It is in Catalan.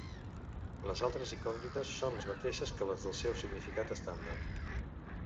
Les altres incògnites són les mateixes que les del seu significat estàndard.